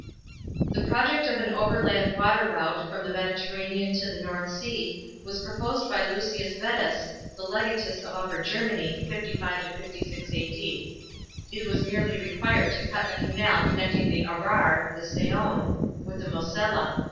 § 27. The project of an overland water route from the Mediter ranean to the North Sea was proposed by Lucius Vetus, the legatus of Upper Germany (55 56 A.D.). It was merely required to cut a canal connecting the Arar (the Sa6ne), with the Mosella.